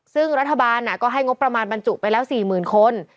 ซึ่งรัฐบาลก็ให้งบประมาณบรรจุไปแล้ว๔๐๐๐คน